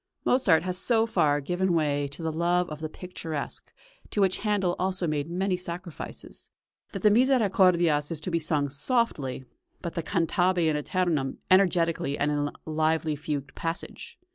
Mozart has so far given way to the love of the picturesque, to which Handel also made many sacrifices, that the "Misericordias" is to be sung softly, but the "cantabe in æternum" energetically and in a lively fugued passage.